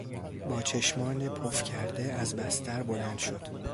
با چشمان پف کرده از بستر بلند شد.